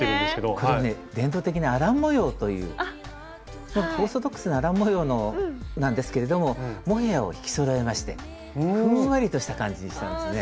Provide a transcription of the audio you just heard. これね伝統的なアラン模様というオーソドックスなアラン模様なんですけれどもモヘアを引きそろえましてふんわりとした感じにしたんですね。